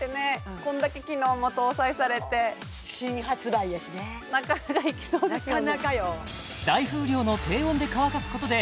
こんだけ機能も搭載されて新発売やしねなかなかいきそうですね